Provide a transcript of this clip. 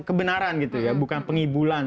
kebenaran gitu ya bukan pengibulan